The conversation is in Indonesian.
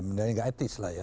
maksudnya tidak etis lah ya